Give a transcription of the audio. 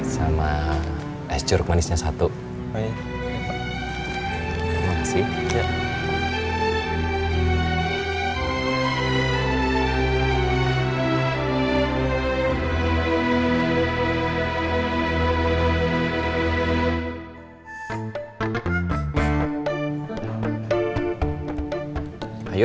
sama es jeruk manisnya satu